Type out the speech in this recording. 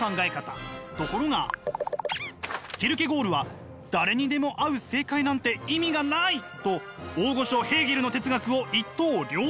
ところがキルケゴールは誰にでも合う正解なんて意味がない！と大御所ヘーゲルの哲学を一刀両断！